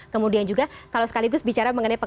kemudian juga kalau sekaligus bicara mengenai